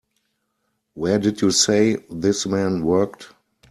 Where did you say this man worked?